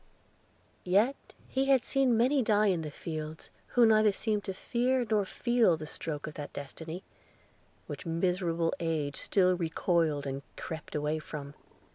Yet he had seen many die in the field, who neither seemed to fear or feel the stroke of that destiny which miserable age still recoiled and crept away from.